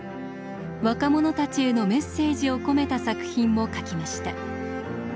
若者たちへのメッセージを込めた作品も書きました。